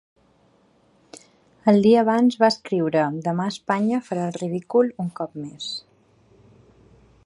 El dia abans va escriure demà Espanya farà el ridícul, un cop més.